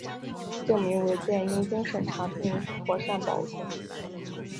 证明文件应经审查并妥善保存